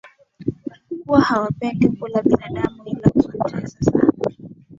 kuwa hawapendi kula binadamu ila huwatesa sana